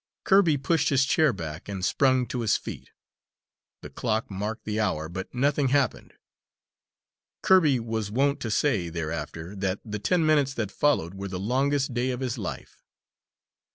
Kirby pushed his chair back and sprung to his feet. The clock marked the hour, but nothing happened. Kirby was wont to say, thereafter, that the ten minutes that followed were the longest day of his life.